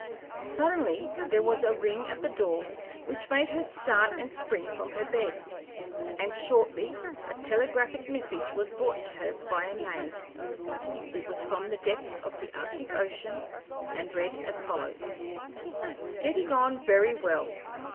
Suddenly there was a ring at the door, which made her start and spring from her bed, and shortly a telegraphic message was brought to her by a maid. It was from the depths of the Arctic Ocean, and read as follows: "Getting on very well.